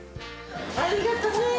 ありがとね。